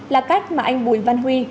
là cách mà anh bùi văn huy